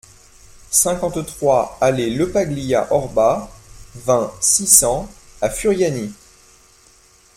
cinquante-trois allée le Paglia Orba, vingt, six cents à Furiani